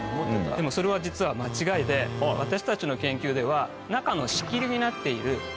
でもそれは実は間違いで私たちの研究では中の仕切りになっている。